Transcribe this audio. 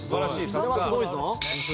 「これはすごいぞ」